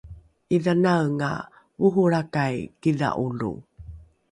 ’idhanaenga oholrakai kidha’olo